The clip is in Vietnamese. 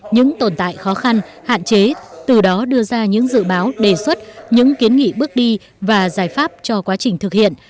những tồn tại khó khăn hạn chế từ đó đưa ra những dự báo đề xuất những kiến nghị bước đi và giải pháp cho quá trình thực hiện